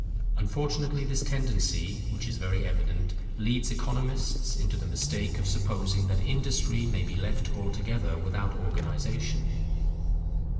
Unfortunately this tendency, which is very evident, leads economists into the mistake of supposing that industry may be left altogether without organization.